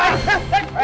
ini kan gua